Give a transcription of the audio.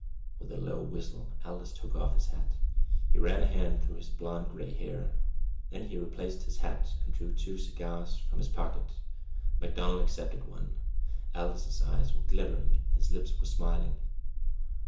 _" With a low whistle Aldous took off his hat. He ran a hand through his blond gray hair. Then he replaced his hat and drew two cigars from his pocket. MacDonald accepted one. Aldous' eyes were glittering; his lips were smiling.